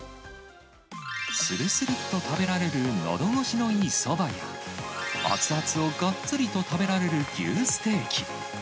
するするっと食べられるのど越しのいいそばや、熱々をがっつりと食べられる牛ステーキ。